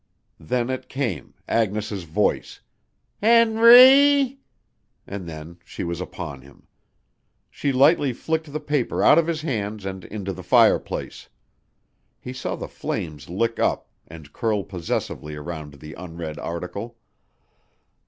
Then it came, Agnes' voice. "Henrrreee!" And then she was upon him. She lightly flicked the paper out of his hands and into the fireplace. He saw the flames lick up and curl possessively around the unread article.